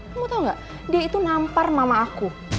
kamu tau gak dia itu nampar mama aku